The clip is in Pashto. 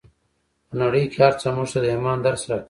په نړۍ کې هر څه موږ ته د ایمان درس راکوي